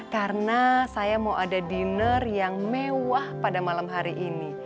karena saya mau ada dinner yang mewah pada malam hari ini